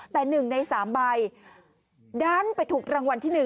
แต่๑ใน๓ใบดันไปถูกรางวัลที่๑